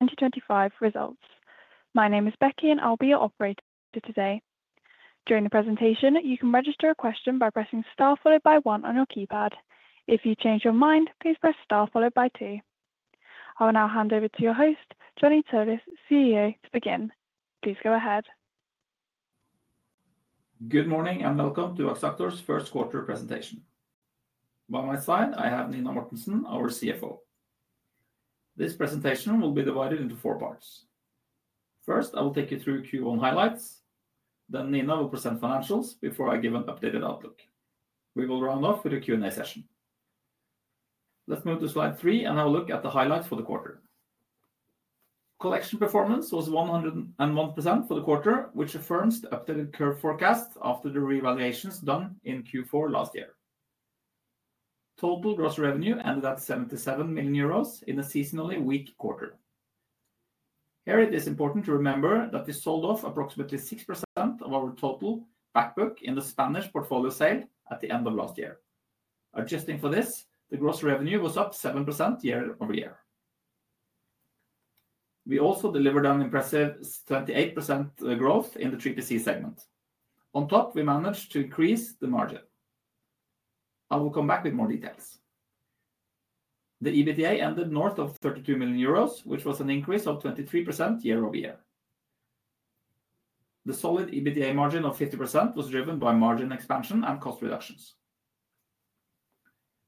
2025 results. My name is Becky, and I'll be your operator today. During the presentation, you can register a question by pressing star followed by one on your keypad. If you change your mind, please press star followed by two. I will now hand over to your host, Johnny Tsolis, CEO, to begin. Please go ahead. Good morning and welcome to Axactor's first quarter presentation. By my side, I have Nina Mortensen, our CFO. This presentation will be divided into four parts. First, I will take you through Q1 highlights. Then Nina will present financials before I give an updated outlook. We will round off with a Q&A session. Let's move to slide three and have a look at the highlights for the quarter. Collection performance was 101% for the quarter, which affirms the updated curve forecast after the revaluations done in Q4 last year. Total gross revenue ended at 77 million euros in a seasonally weak quarter. Here, it is important to remember that we sold off approximately 6% of our total backbook in the Spanish portfolio sale at the end of last year. Adjusting for this, the gross revenue was up 7% year-over-year. We also delivered an impressive 28% growth in the 3PC segment. On top, we managed to increase the margin. I will come back with more details. The EBITDA ended north of 32 million euros, which was an increase of 23% year-over-year. The solid EBITDA margin of 50% was driven by margin expansion and cost reductions.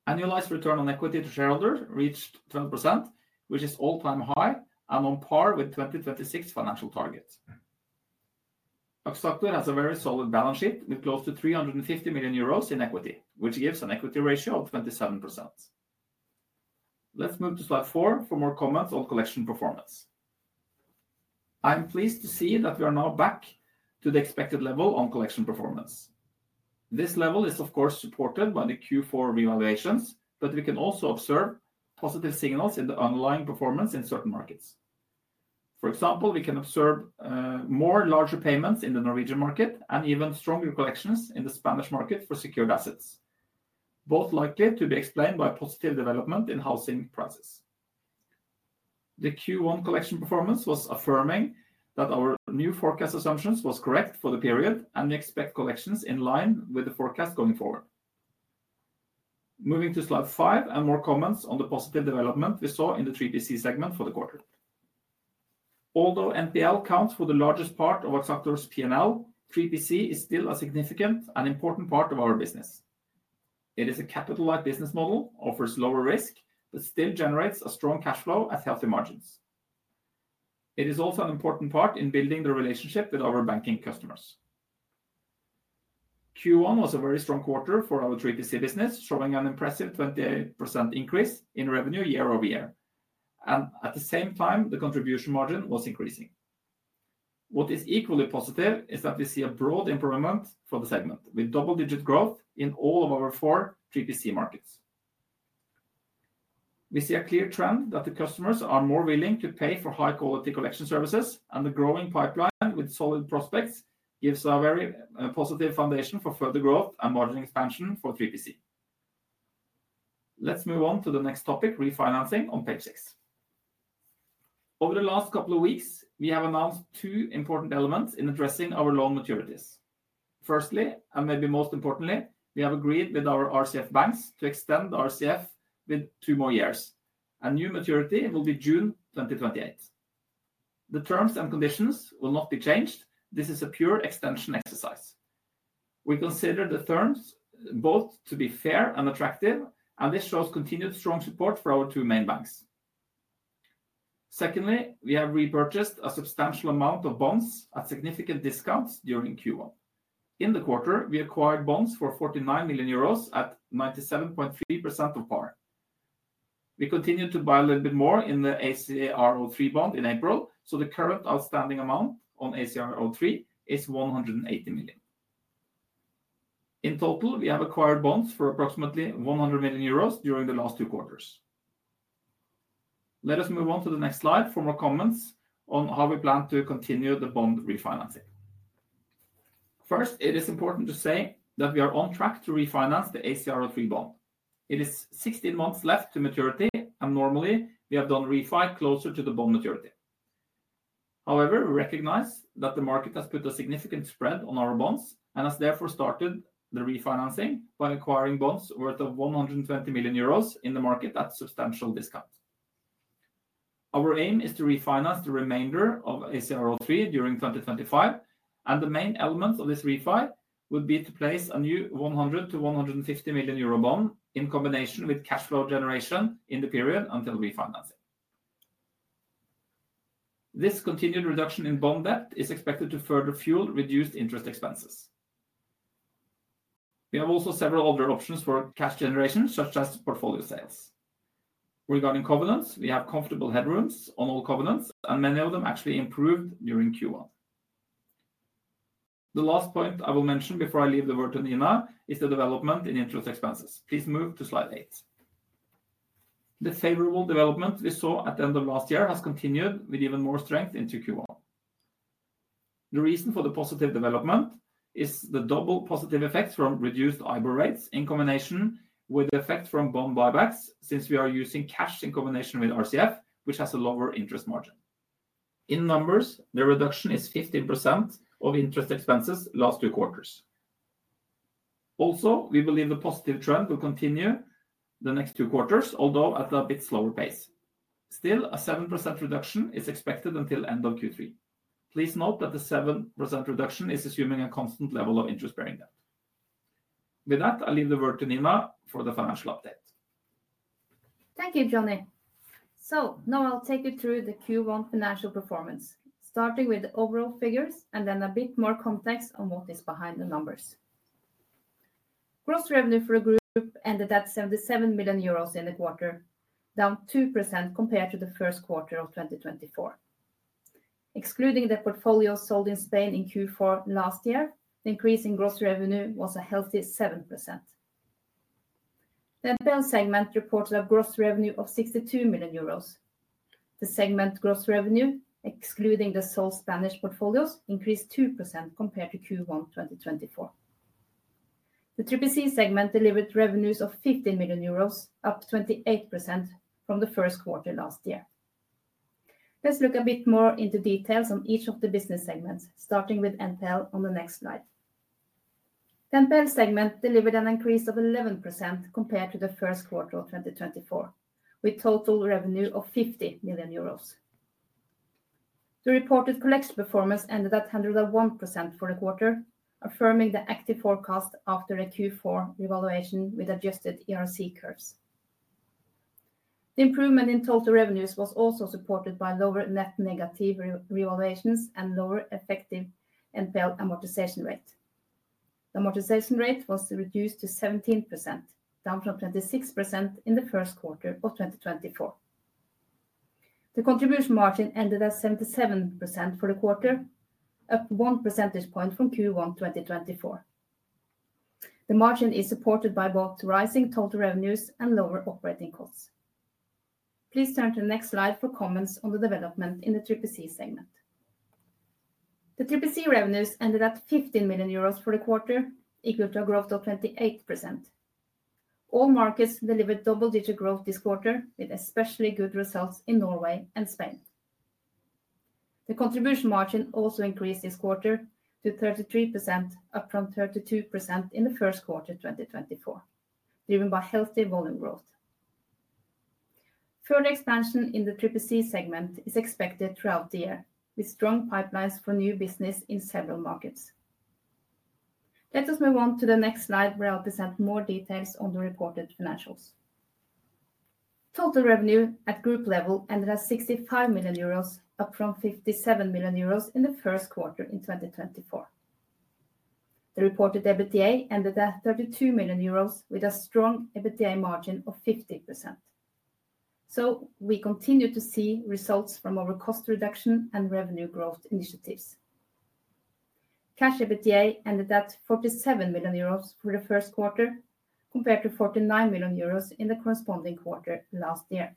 Annualized return on equity to shareholders reached 12%, which is all-time high and on par with 2026 financial targets. Axactor has a very solid balance sheet with close to 350 million euros in equity, which gives an equity ratio of 27%. Let's move to slide four for more comments on collection performance. I'm pleased to see that we are now back to the expected level on collection performance. This level is, of course, supported by the Q4 revaluations, but we can also observe positive signals in the underlying performance in certain markets. For example, we can observe more larger payments in the Norwegian market and even stronger collections in the Spanish market for secured assets, both likely to be explained by positive development in housing prices. The Q1 collection performance was affirming that our new forecast assumptions were correct for the period, and we expect collections in line with the forecast going forward. Moving to slide five and more comments on the positive development we saw in the 3PC segment for the quarter. Although NPL counts for the largest part of Axactor's P&L, 3PC is still a significant and important part of our business. It is a capital-light business model, offers lower risk, but still generates a strong cash flow at healthy margins. It is also an important part in building the relationship with our banking customers. Q1 was a very strong quarter for our 3PC business, showing an impressive 28% increase in revenue year-over-year, and at the same time, the contribution margin was increasing. What is equally positive is that we see a broad improvement for the segment with double-digit growth in all of our four 3PC markets. We see a clear trend that the customers are more willing to pay for high-quality collection services, and the growing pipeline with solid prospects gives a very positive foundation for further growth and margin expansion for 3PC. Let's move on to the next topic, refinancing, on page six. Over the last couple of weeks, we have announced two important elements in addressing our loan maturities. Firstly, and maybe most importantly, we have agreed with our RCF banks to extend the RCF with two more years. A new maturity will be June 2028. The terms and conditions will not be changed. This is a pure extension exercise. We consider the terms both to be fair and attractive, and this shows continued strong support for our two main banks. Secondly, we have repurchased a substantial amount of bonds at significant discounts during Q1. In the quarter, we acquired bonds for 49 million euros at 97.3% of par. We continued to buy a little bit more in the ACR03 bond in April, so the current outstanding amount on ACR03 is 180 million. In total, we have acquired bonds for approximately 100 million euros during the last two quarters. Let us move on to the next slide for more comments on how we plan to continue the bond refinancing. First, it is important to say that we are on track to refinance the ACR03 bond. It is 16 months left to maturity, and normally, we have done refi closer to the bond maturity. However, we recognize that the market has put a significant spread on our bonds and has therefore started the refinancing by acquiring bonds worth 120 million euros in the market at substantial discount. Our aim is to refinance the remainder of ACR03 during 2025, and the main element of this refi would be to place a new 100 million-150 million euro bond in combination with cash flow generation in the period until refinancing. This continued reduction in bond debt is expected to further fuel reduced interest expenses. We have also several other options for cash generation, such as portfolio sales. Regarding covenants, we have comfortable head rooms on all covenants, and many of them actually improved during Q1. The last point I will mention before I leave the word to Nina is the development in interest expenses. Please move to slide eight. The favorable development we saw at the end of last year has continued with even more strength into Q1. The reason for the positive development is the double positive effect from reduced IBOR rates in combination with the effect from bond buybacks since we are using cash in combination with RCF, which has a lower interest margin. In numbers, the reduction is 15% of interest expenses last two quarters. Also, we believe the positive trend will continue the next two quarters, although at a bit slower pace. Still, a 7% reduction is expected until the end of Q3. Please note that the 7% reduction is assuming a constant level of interest-bearing debt. With that, I'll leave the word to Nina for the financial update. Thank you, Johnny. Now I'll take you through the Q1 financial performance, starting with the overall figures and then a bit more context on what is behind the numbers. Gross revenue for the group ended at 77 million euros in the quarter, down 2% compared to the first quarter of 2024. Excluding the portfolio sold in Spain in Q4 last year, the increase in gross revenue was a healthy 7%. The NPL segment reported a gross revenue of 62 million euros. The segment gross revenue, excluding the sold Spanish portfolios, increased 2% compared to Q1 2024. The 3PC segment delivered revenues of 15 million euros, up 28% from the first quarter last year. Let's look a bit more into details on each of the business segments, starting with NPL on the next slide. The NPL segment delivered an increase of 11% compared to the first quarter of 2024, with total revenue of 50 million euros. The reported collection performance ended at 101% for the quarter, affirming the active forecast after a Q4 revaluation with adjusted ERC curves. The improvement in total revenues was also supported by lower net negative revaluations and lower effective NPL amortization rate. The amortization rate was reduced to 17%, down from 26% in the first quarter of 2024. The contribution margin ended at 77% for the quarter, up 1 percentage point from Q1 2024. The margin is supported by both rising total revenues and lower operating costs. Please turn to the next slide for comments on the development in the 3PC segment. The 3PC revenues ended at 15 million euros for the quarter, equal to a growth of 28%. All markets delivered double-digit growth this quarter, with especially good results in Norway and Spain. The contribution margin also increased this quarter to 33%, up from 32% in the first quarter 2024, driven by healthy volume growth. Further expansion in the 3PC segment is expected throughout the year, with strong pipelines for new business in several markets. Let us move on to the next slide, where I'll present more details on the reported financials. Total revenue at group level ended at 65 million euros, up from 57 million euros in the first quarter in 2024. The reported EBITDA ended at 32 million euros, with a strong EBITDA margin of 50%. We continue to see results from our cost reduction and revenue growth initiatives. Cash EBITDA ended at 47 million euros for the first quarter, compared to 49 million euros in the corresponding quarter last year.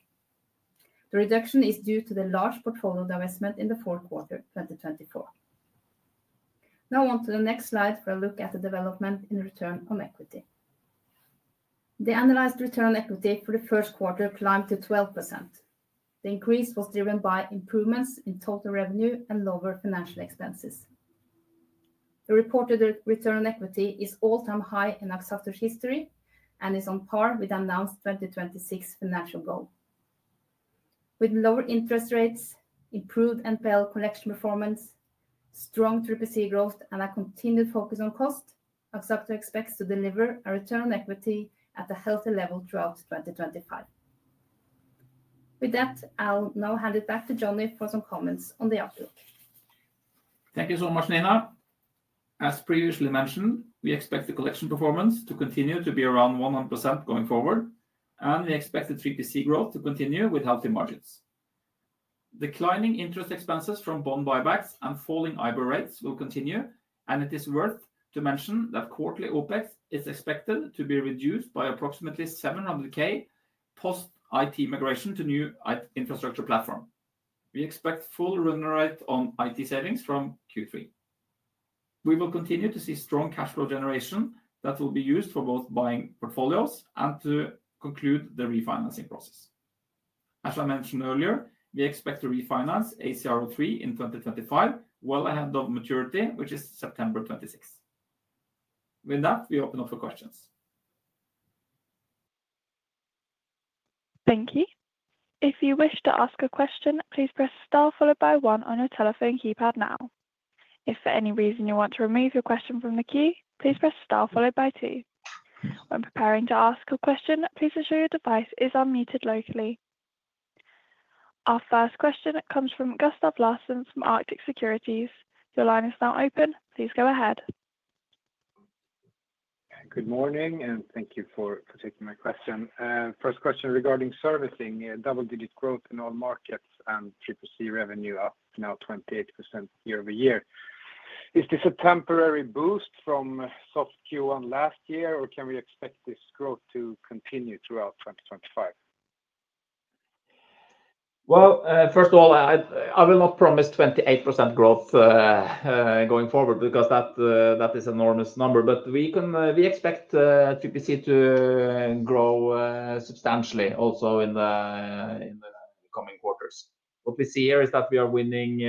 The reduction is due to the large portfolio divestment in the fourth quarter 2024. Now on to the next slide for a look at the development in return on equity. The annualized return on equity for the first quarter climbed to 12%. The increase was driven by improvements in total revenue and lower financial expenses. The reported return on equity is all-time high in Axactor's history and is on par with the announced 2026 financial goal. With lower interest rates, improved NPL collection performance, strong 3PC growth, and a continued focus on cost, Axactor expects to deliver a return on equity at a healthy level throughout 2025. With that, I'll now hand it back to Johnny for some comments on the outlook. Thank you so much, Nina. As previously mentioned, we expect the collection performance to continue to be around 100% going forward, and we expect the 3PC growth to continue with healthy margins. Declining interest expenses from bond buybacks and falling IBOR rates will continue, and it is worth mentioning that quarterly OpEx is expected to be reduced by approximately 700,000 post-IT migration to a new infrastructure platform. We expect full revenue rate on IT savings from Q3. We will continue to see strong cash flow generation that will be used for both buying portfolios and to conclude the refinancing process. As I mentioned earlier, we expect to refinance ACR03 in 2025 well ahead of maturity, which is September 26. With that, we open up for questions. Thank you. If you wish to ask a question, please press star followed by One on your telephone keypad now. If for any reason you want to remove your question from the queue, please press star followed by Two. When preparing to ask a question, please ensure your device is unmuted locally. Our first question comes from Gustav Larsson from Arctic Securities. Your line is now open. Please go ahead. Good morning, and thank you for taking my question. First question regarding servicing: double-digit growth in all markets and 3PC revenue up now 28% year-over-year. Is this a temporary boost from soft Q1 last year, or can we expect this growth to continue throughout 2025? First of all, I will not promise 28% growth going forward because that is an enormous number, but we expect 3PC to grow substantially also in the coming quarters. What we see here is that we are winning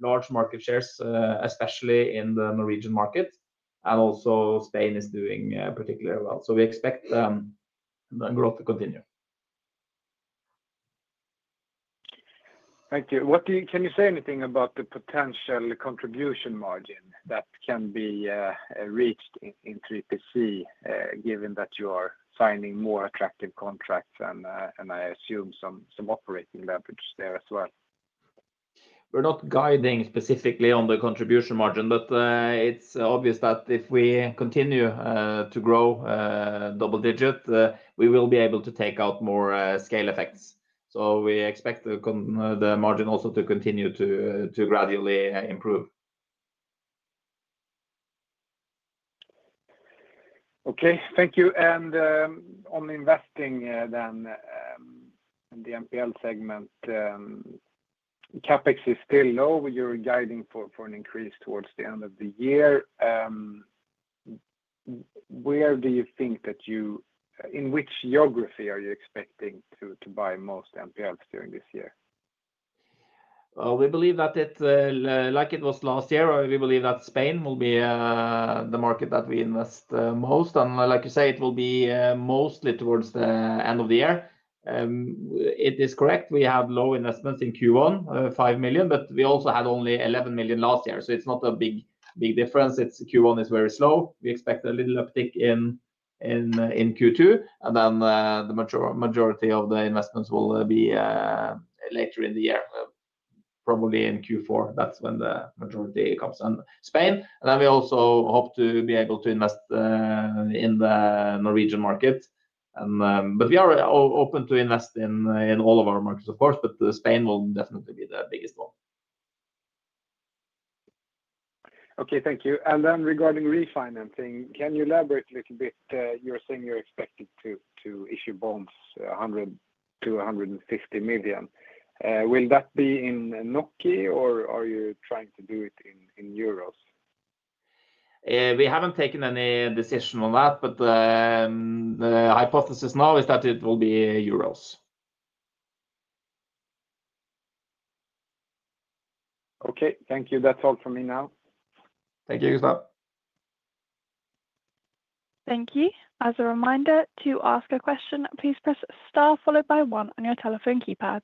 large market shares, especially in the Norwegian market, and also Spain is doing particularly well. We expect the growth to continue. Thank you. Can you say anything about the potential contribution margin that can be reached in 3PC, given that you are signing more attractive contracts and I assume some operating leverage there as well? We're not guiding specifically on the contribution margin, but it's obvious that if we continue to grow double-digit, we will be able to take out more scale effects. We expect the margin also to continue to gradually improve. Okay, thank you. On investing then in the NPL segment, CapEx is still low. You are guiding for an increase towards the end of the year. Where do you think that you—in which geography are you expecting to buy most NPLs during this year? We believe that it's like it was last year. We believe that Spain will be the market that we invest most. And like you say, it will be mostly towards the end of the year. It is correct. We have low investments in Q1, 5 million, but we also had only 11 million last year. So it's not a big difference. Q1 is very slow. We expect a little uptick in Q2, and then the majority of the investments will be later in the year, probably in Q4. That's when the majority comes in Spain. We also hope to be able to invest in the Norwegian market. We are open to invest in all of our markets, of course, but Spain will definitely be the biggest one. Okay, thank you. Regarding refinancing, can you elaborate a little bit? You're saying you expect to issue bonds 100 million-150 million. Will that be in NOK, or are you trying to do it in euros? We haven't taken any decision on that, but the hypothesis now is that it will be euros. Okay, thank you. That's all from me now. Thank you, Gustav. Thank you. As a reminder, to ask a question, please press star followed by one on your telephone keypad.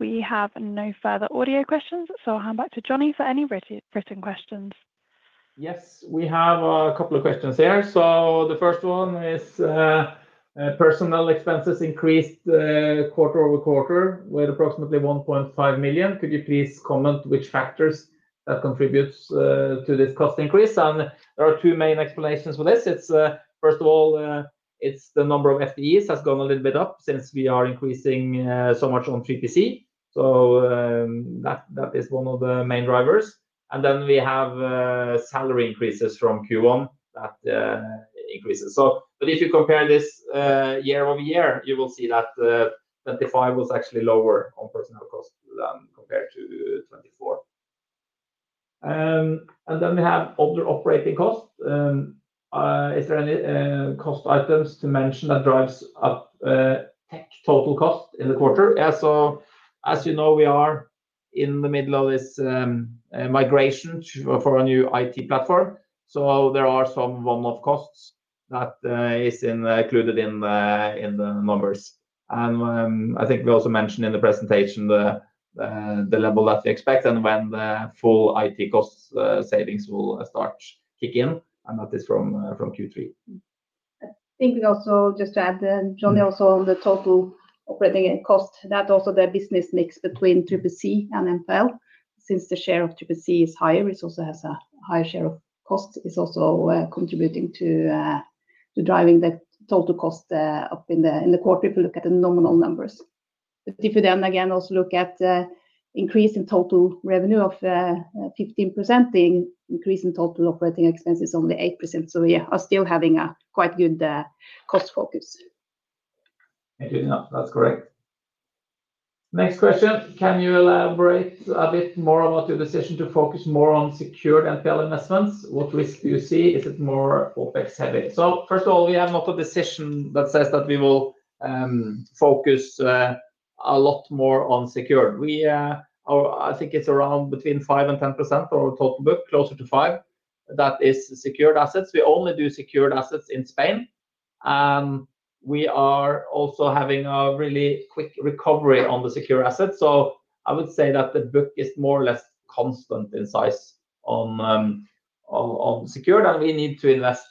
We have no further audio questions, so I'll hand back to Johnny for any written questions. Yes, we have a couple of questions here. The first one is personal expenses increased quarter-over-quarter with approximately 1.5 million. Could you please comment which factors that contribute to this cost increase? There are two main explanations for this. First of all, the number of FTEs has gone a little bit up since we are increasing so much on 3PC. That is one of the main drivers. We have salary increases from Q1 that increase. If you compare this year over year, you will see that 2025 was actually lower on personal cost than compared to 2024. We have other operating costs. Is there any cost items to mention that drive up the total cost in the quarter? Yeah, as you know, we are in the middle of this migration for a new IT platform. There are some one-off costs that are included in the numbers. I think we also mentioned in the presentation the level that we expect and when the full IT cost savings will start kicking in, and that is from Q3. I think we also just added, Johnny, also on the total operating cost, that also the business mix between 3PC and NPL, since the share of 3PC is higher, it also has a higher share of cost, is also contributing to driving the total cost up in the quarter if we look at the nominal numbers. If we then again also look at the increase in total revenue of 15%, the increase in total operating expenses is only 8%. We are still having a quite good cost focus. Thank you, Nina. That's correct. Next question. Can you elaborate a bit more about your decision to focus more on secured NPL investments? What risk do you see? Is it more OpEx-heavy? First of all, we have not a decision that says that we will focus a lot more on secured. I think it's around between 5% and 10% of our total book, closer to 5%. That is secured assets. We only do secured assets in Spain. We are also having a really quick recovery on the secured assets. I would say that the book is more or less constant in size on secured, and we need to invest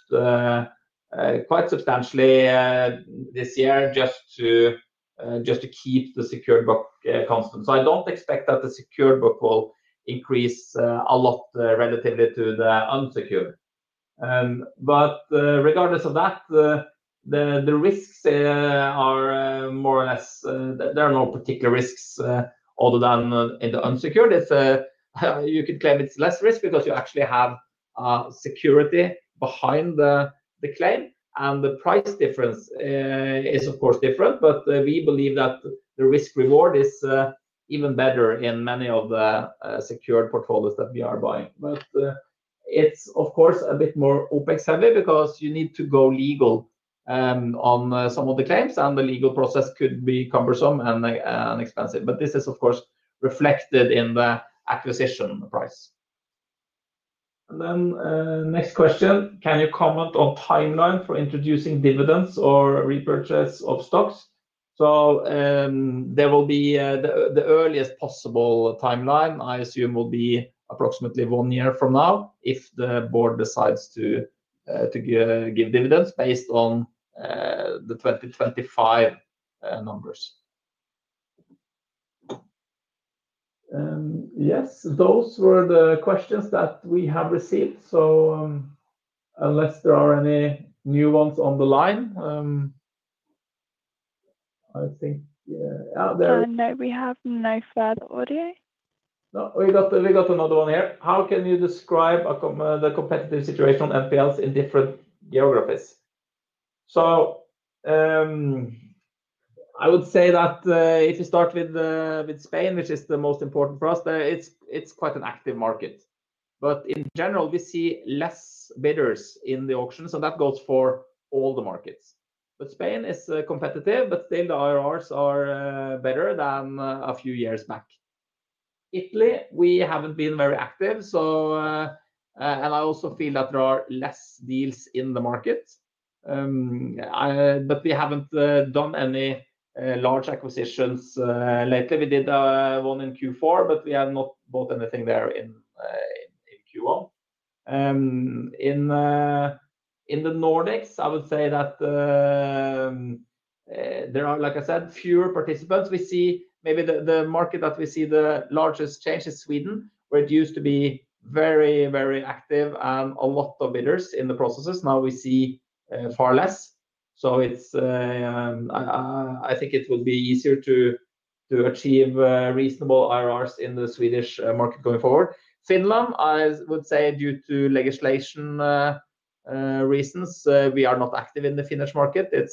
quite substantially this year just to keep the secured book constant. I don't expect that the secured book will increase a lot relatively to the unsecured. Regardless of that, the risks are more or less—there are no particular risks other than in the unsecured. You could claim it's less risk because you actually have security behind the claim. The price difference is, of course, different, but we believe that the risk-reward is even better in many of the secured portfolios that we are buying. It's, of course, a bit more OpEx-heavy because you need to go legal on some of the claims, and the legal process could be cumbersome and expensive. This is, of course, reflected in the acquisition price. Next question. Can you comment on the timeline for introducing dividends or repurchase of stocks? The earliest possible timeline, I assume, will be approximately one year from now if the board decides to give dividends based on the 2025 numbers. Yes, those were the questions that we have received. Unless there are any new ones on the line, I think, yeah, there. No, we have no further audio. We got another one here. How can you describe the competitive situation on NPLs in different geographies? I would say that if you start with Spain, which is the most important for us, it is quite an active market. In general, we see less bidders in the auctions, and that goes for all the markets. Spain is competitive, but still the IRRs are better than a few years back. Italy, we have not been very active, and I also feel that there are less deals in the market. We have not done any large acquisitions lately. We did one in Q4, but we have not bought anything there in Q1. In the Nordics, I would say that there are, like I said, fewer participants. We see maybe the market that we see the largest change is Sweden, where it used to be very, very active and a lot of bidders in the processes. Now we see far less. I think it will be easier to achieve reasonable IRRs in the Swedish market going forward. Finland, I would say due to legislation reasons, we are not active in the Finnish market. It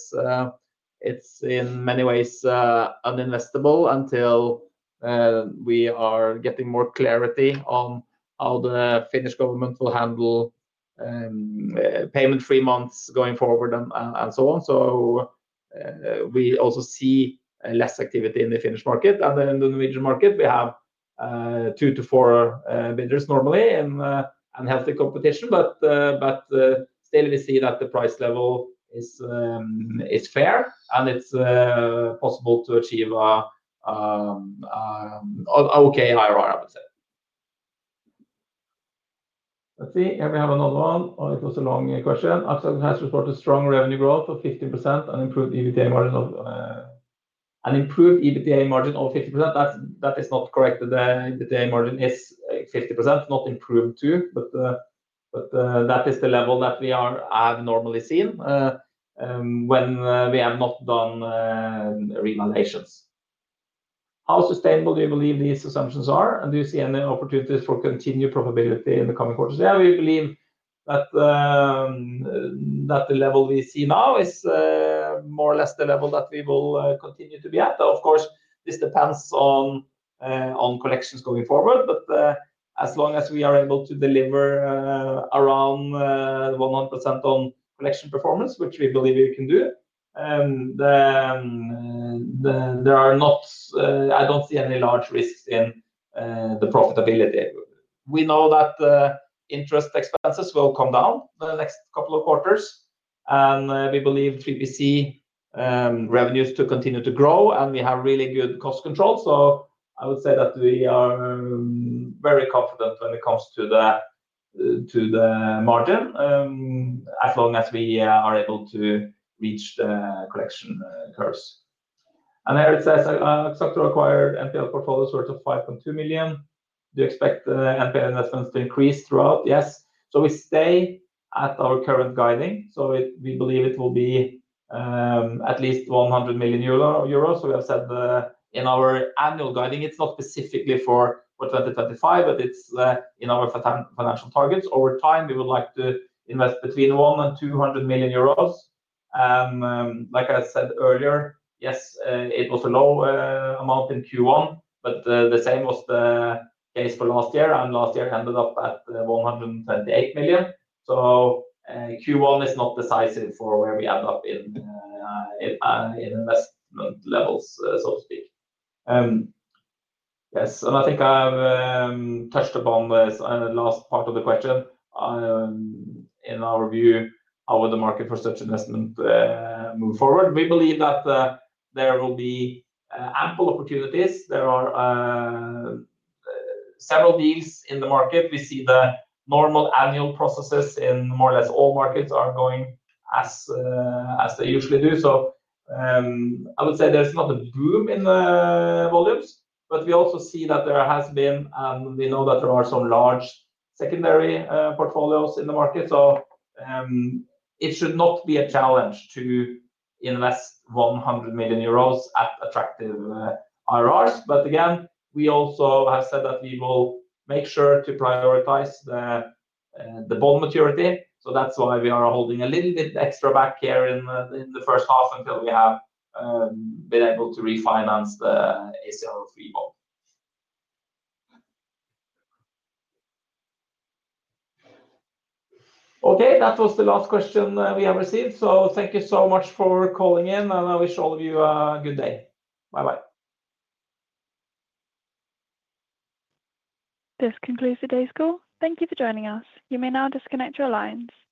is in many ways uninvestable until we are getting more clarity on how the Finnish government will handle payment-free months going forward and so on. We also see less activity in the Finnish market. In the Norwegian market, we have two to four bidders normally in unhealthy competition, but still we see that the price level is fair, and it is possible to achieve an okay IRR, I would say. Let's see. Here we have another one. It was a long question. Axactor has reported strong revenue growth of 15% and improved EBITDA margin of 50%. That is not correct. The EBITDA margin is 50%, not improved too, but that is the level that we have normally seen when we have not done revaluations. How sustainable do you believe these assumptions are? Do you see any opportunities for continued profitability in the coming quarters? Yeah, we believe that the level we see now is more or less the level that we will continue to be at. Of course, this depends on collections going forward, but as long as we are able to deliver around 100% on collection performance, which we believe we can do, I do not see any large risks in the profitability. We know that interest expenses will come down the next couple of quarters, and we believe 3PC revenues to continue to grow, and we have really good cost control. I would say that we are very confident when it comes to the margin as long as we are able to reach the collection curves. Here it says Axactor acquired NPL portfolio worth of 5.2 million. Do you expect NPL investments to increase throughout? Yes. We stay at our current guiding. We believe it will be at least 100 million euro. We have said in our annual guiding, it is not specifically for 2025, but it is in our financial targets. Over time, we would like to invest between 100 million and 200 million euros. Like I said earlier, yes, it was a low amount in Q1, but the same was the case for last year, and last year ended up at 128 million. Q1 is not decisive for where we end up in investment levels, so to speak. Yes, and I think I have touched upon this last part of the question. In our view, how would the market for such investment move forward? We believe that there will be ample opportunities. There are several deals in the market. We see the normal annual processes in more or less all markets are going as they usually do. I would say there is not a boom in volumes, but we also see that there has been, and we know that there are some large secondary portfolios in the market. It should not be a challenge to invest 100 million euros at attractive IRRs. Again, we also have said that we will make sure to prioritize the bond maturity. That is why we are holding a little bit extra back here in the first half until we have been able to refinance the ACR03 bonds. Okay, that was the last question we have received. Thank you so much for calling in, and I wish all of you a good day. Bye-bye. This concludes today's call. Thank you for joining us. You may now disconnect your lines.